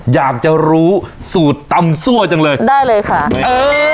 อยากจะรู้สูตรตำซั่วจังเลยได้เลยค่ะเออ